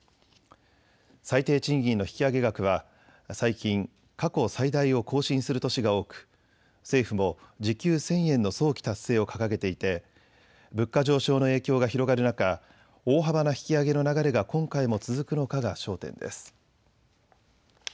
最低賃金の引き上げ額は最近、過去最大を更新する年が多く政府も時給１０００円の早期達成を掲げていて物価上昇の影響が広がる中、大幅な引き上げの流れが今回も続くのかが焦点です。